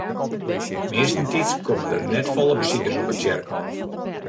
Meastentiids komme der net folle besikers op it tsjerkhôf.